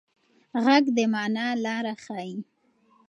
غږ د مانا لاره ښيي.